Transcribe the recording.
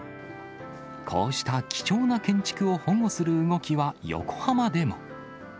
こうした貴重な建築を保護する動きは横浜でも。